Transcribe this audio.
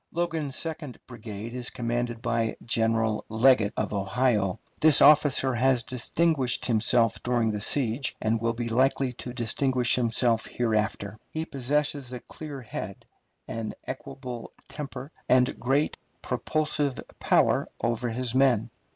Logan's second brigade is commanded by General Leggett, of Ohio. This officer has distinguished himself during the siege, and will be likely to distinguish himself hereafter. He possesses a clear head, an equable temper, and great propulsive power over his men.